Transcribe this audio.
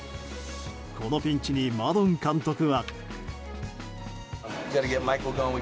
このピンチにマドン監督は。